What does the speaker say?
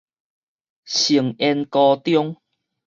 成淵高中